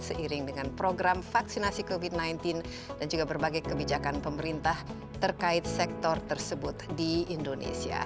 seiring dengan program vaksinasi covid sembilan belas dan juga berbagai kebijakan pemerintah terkait sektor tersebut di indonesia